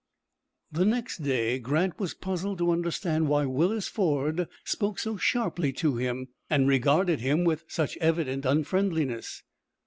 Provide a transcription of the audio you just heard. The next day Grant was puzzled to understand why Willis Ford spoke so sharply to him, and regarded him with such evident unfriendliness.